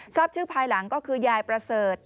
ทราบชื่อภายหลังก็คือยายประเสริฐ